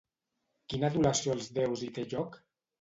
Quina adulació als déus hi té lloc?